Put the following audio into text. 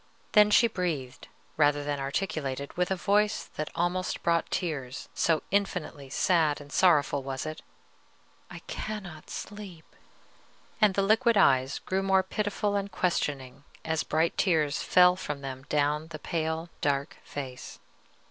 Then she breathed, rather than articulated, with a voice that almost brought tears, so infinitely sad and sorrowful was it, "I cannot sleep!" and the liquid eyes grew more pitiful and questioning as bright tears fell from them down the pale dark face.